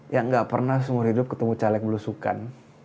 yang gak pernah seumur hidup ketemu caleg belusukan